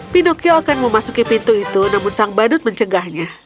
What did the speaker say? pinocchio akan memasuki pintu itu namun sang badut mencegahnya